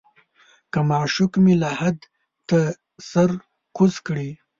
که معشوق مې لحد ته سر کوز کړي.